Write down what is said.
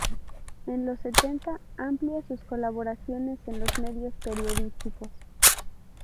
En los setenta amplia sus colaboraciones en los medios periodísticos.